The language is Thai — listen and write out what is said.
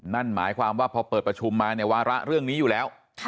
นั่นหมายความว่าพอเปิดประชุมมาเนี่ยวาระเรื่องนี้อยู่แล้ว